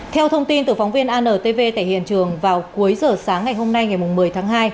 theo thông tin từ phóng viên antv tại hiện trường vào cuối giờ sáng ngày hôm nay ngày một mươi tháng hai